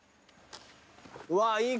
うわーいい。